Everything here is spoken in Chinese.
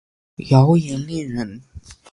姚令言人。